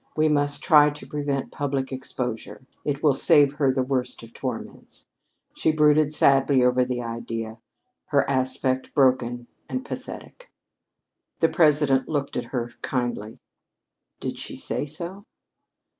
We must try to prevent public exposure. It will save her the worst of torments." She brooded sadly over the idea, her aspect broken and pathetic. The President looked at her kindly. "Did she say so?"